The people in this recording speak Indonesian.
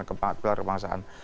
kebangsaan pilar kebangsaan